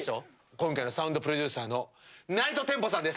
今回のサウンドプロデューサーのＮｉｇｈｔＴｅｍｐｏさんです。